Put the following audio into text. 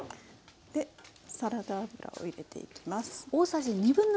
サラダ油を入れていきます。